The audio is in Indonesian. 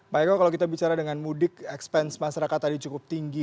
pak eko kalau kita bicara dengan mudik expense masyarakat tadi cukup tinggi